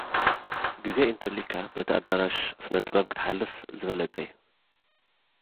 ግዜ እንተልዩኻ፡ በቲ ኣዳራሽ ስነ-ጥበብ ክትሓልፍ ዝበለጸ እዩ።